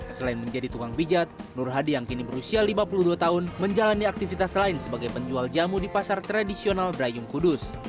selain menjadi tukang pijat nur hadi yang kini berusia lima puluh dua tahun menjalani aktivitas lain sebagai penjual jamu di pasar tradisional brayung kudus